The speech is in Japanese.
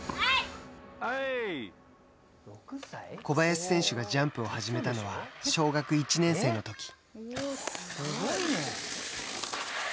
小林選手がジャンプを始めたのは、小学１年生の時。